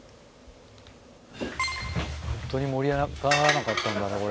ホントに盛り上がらなかったんだねこれ。